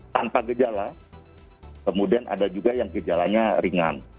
tanpa gejala kemudian ada juga yang gejalanya ringan